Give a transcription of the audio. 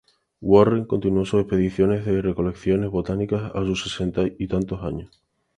Warren continuó sus expediciones de recolecciones botánicas a sus sesenta y tantos.